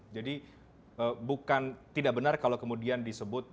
jadi bukan tidak benar kalau kemudian disebut